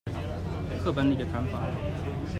課本裡的談法